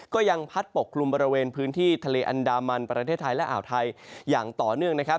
ก็ยังพัดปกกลุ่มบริเวณพื้นที่ทะเลอันดามันประเทศไทยและอ่าวไทยอย่างต่อเนื่องนะครับ